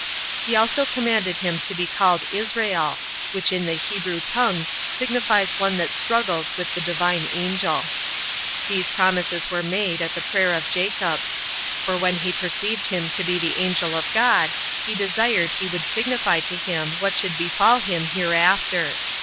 He also commanded him to be called Israel, which in the Hebrew tongue signifies one that struggled with the divine angel. 37 These promises were made at the prayer of Jacob; for when he perceived him to be the angel of God, he desired he would signify to him what should befall him hereafter.